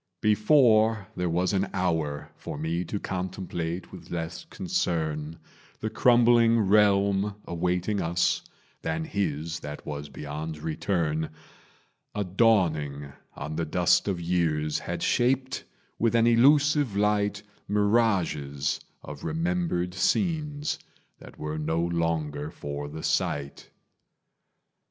Before there was an hour for me To contemplate with less concern The crumbling realm awaiting us Than his that was beyond return, A dawning on the dust of years Had shaped with an elusive light Mirages of remembered scenes That were no longer for the sight.